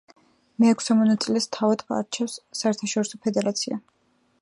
მეექვსე მონაწილეს თავად არჩევს საერთაშორისო ფედერაცია.